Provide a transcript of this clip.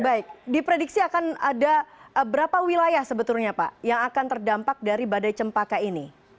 baik diprediksi akan ada berapa wilayah sebetulnya pak yang akan terdampak dari badai cempaka ini